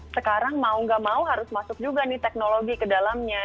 sekarang mau gak mau harus masuk juga nih teknologi ke dalamnya